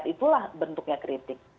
paket itulah bentuknya kritik